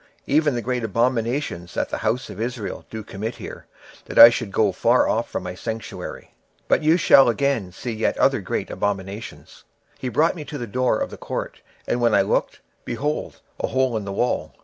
even the great abominations that the house of Israel committeth here, that I should go far off from my sanctuary? but turn thee yet again, and thou shalt see greater abominations. 26:008:007 And he brought me to the door of the court; and when I looked, behold a hole in the wall.